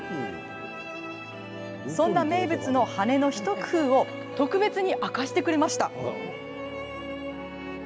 そんな名物の羽根の一工夫を特別に明かしてくれました。